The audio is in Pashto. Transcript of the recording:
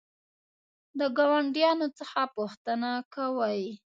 د ګاونډیانو څخه پوښتنه کوئ؟